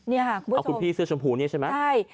เอาคุณพี่เสื้อชมผูนี่ใช่ไหม